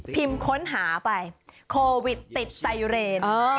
ค้นหาไปโควิดติดไซเรน